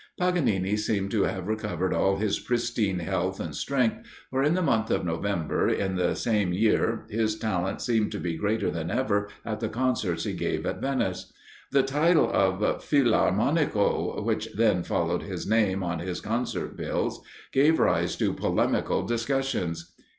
Paganini seemed to have recovered all his pristine health and strength, for in the month of November in the same year his talent seemed to be greater than ever at the concerts he gave at Venice. The title of "Filarmonico," which then followed his name on his concert bills, gave rise to polemical discussions.